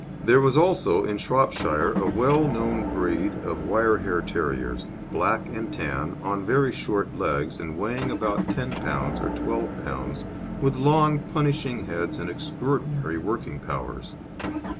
There was also in Shropshire a well known breed of wire hair terriers, black and tan, on very short legs, and weighing about 10 lb. or 12 lb., with long punishing heads and extraordinary working powers.